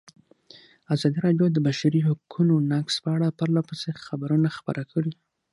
ازادي راډیو د د بشري حقونو نقض په اړه پرله پسې خبرونه خپاره کړي.